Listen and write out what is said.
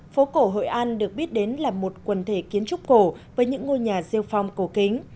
phố cổ hội an được biết đến là một quần thể kiến trúc cổ với những ngôi nhà siêu phong cổ kính